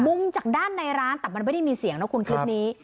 มุมจากด้านในร้านแต่มันไม่ได้มีเสียงนะคุณคลิปนี้